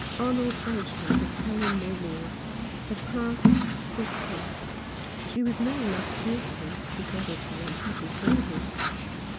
Arnold urged her to tell him no more— the past 43 Rough Justice. was past. She was no less dear to him because of her unhappy girlhood.